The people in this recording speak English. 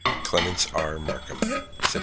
CLEMENTS R. MARKHAM. Sept.